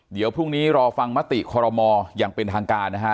เดี๋ยวพรุ่งนี้รอฟังมติคอรมออย่างเป็นทางการนะฮะ